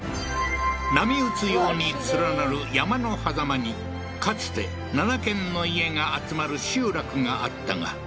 波打つように連なる山の狭間にかつて７軒の家が集まる集落があったが